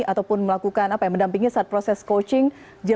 ataupun melakukan apa yang mendampingi saat proses coaching